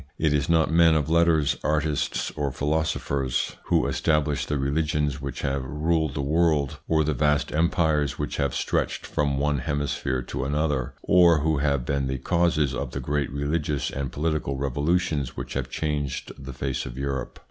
It is not men of letters, artists, or philo 176 THE PSYCHOLOGY OF PEOPLES: sophers who established the religions which have ruled the world, or the vast empires which have stretched from one hemisphere to another, or who have been the causes of the great religious and political revolutions which have changed the face of Europe.